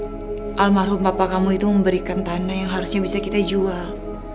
bagaimana almarhum bapak kamu itu memberikan tanah yang harusnya bisa kita jual